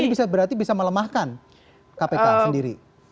ini berarti bisa melemahkan kpk sendiri